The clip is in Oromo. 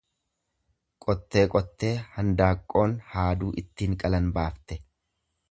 Qottee qottee handaaqqoon haaduu ittiin qalan baafte.